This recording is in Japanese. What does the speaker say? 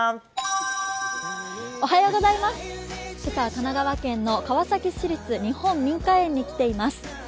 今朝は神奈川県の川崎市立日本民家園に来ています。